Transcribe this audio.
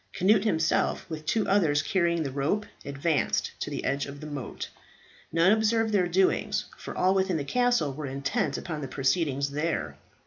Cnut himself, with two others carrying the rope, advanced to the edge of the moat. None observed their doings, for all within the castle were intent upon the proceedings there.